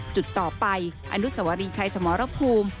จุดต่อไปอนุสวรีชัยสมรภูมิ